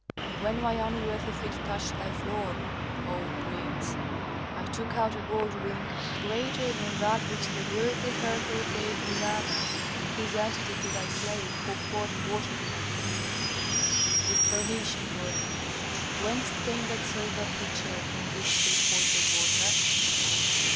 And when my unworthy feet touched thy floor, O prince, I took out a gold ring, greater than that which the worthy Herhor gave Eunana, and presented it to thy slave who poured water on my fingers. With permission, worthiness, whence came that silver pitcher from which they poured the water?"